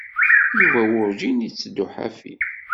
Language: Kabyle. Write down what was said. Yuba werǧin yetteddu ḥafi.